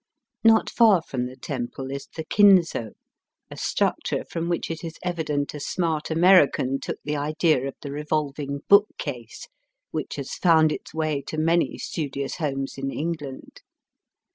Not far from the temple is the Kinzo, a structure from which it is evident a smart American took the idea of the revolving book case which has found its way to many studious homes in England.